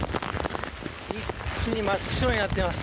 一気に真っ白になっています。